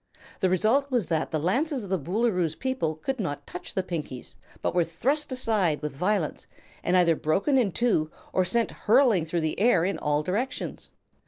The result was that the lances of the Boolooroo's people could not touch the Pinkies, but were thrust aside with violence and either broken in two or sent hurling through the air in all directions.